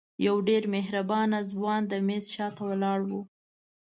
یو ډېر مهربانه ځوان د میز شاته ولاړ و.